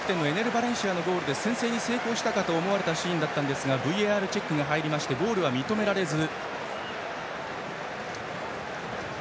・バレンシアのゴールで先制に成功したかと思われたシーンでしたがＶＡＲチェックが入りましてゴールは認められず。